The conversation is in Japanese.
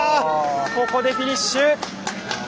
ここでフィニッシュ。